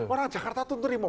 orang jakarta itu nerimu